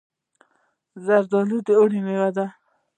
زردالو د اوړي مېوه ده.